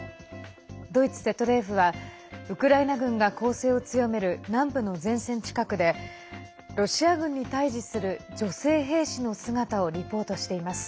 ドイツＺＤＦはウクライナ軍が攻勢を強める南部の前線近くでロシア軍に対じする女性兵士の姿をリポートしています。